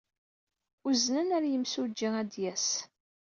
Uznen ɣer yimsujji ad d-yas.